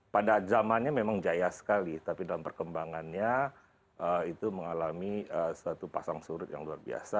pada zamannya memang jaya sekali tapi dalam perkembangannya itu mengalami suatu pasang surut yang luar biasa